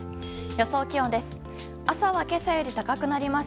予想気温です。